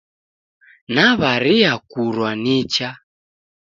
Naw'aria kurwa nicha.